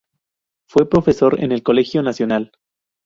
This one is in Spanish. Fue profesor en el Colegio Nacional.